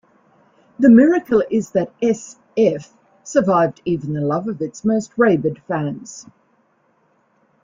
The miracle is that S-F survived even the love of its most rabid fans.